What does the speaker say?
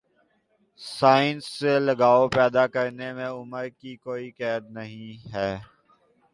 science سے لگاؤ پیدا کرنے میں عمر کی کوئی قید نہیں ہے